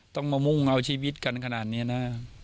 ต้องมามุ่งเอาชีวิตกันขนาดนี้นะ